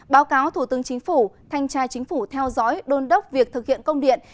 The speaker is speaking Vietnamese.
báo cáo thủ tướng chính phủ thanh tra chính phủ theo dõi đôn đốc việc thực hiện công điện